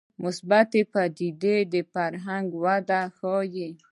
مثبتې پدیدې د فرهنګ وده ښيي